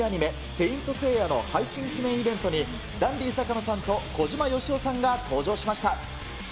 聖闘士星矢の配信記念イベントに、ダンディ坂野さんと小島よしおさんが登場しました。